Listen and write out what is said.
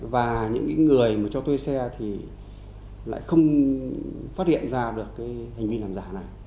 và những người mà cho thuê xe thì lại không phát hiện ra được cái hành vi làm giả này